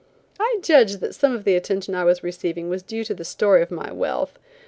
I judged that some of the attention I was receiving was due to the story of my wealth.